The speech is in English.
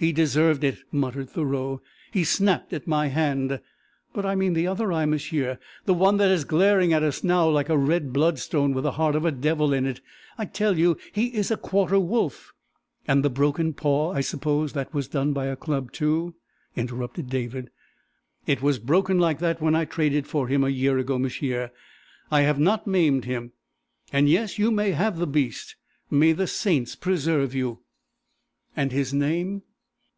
"He deserved it," muttered Thoreau. "He snapped at my hand. But I mean the other eye, m'sieu the one that is glaring at us now like a red bloodstone with the heart of a devil in it! I tell you he is a quarter wolf...." "And the broken paw. I suppose that was done by a club, too?" interrupted David. "It was broken like that when I traded for him a year ago, m'sieu. I have not maimed him. And ... yes, you may have the beast! May the saints preserve you!" "And his name?"